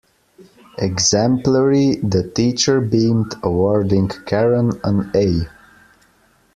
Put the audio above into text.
Exemplary, the teacher beamed, awarding Karen an A.